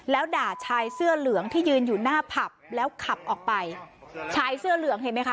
แล้วด่าชายเสื้อเหลืองที่ยืนอยู่หน้าผับแล้วขับออกไปชายเสื้อเหลืองเห็นไหมคะ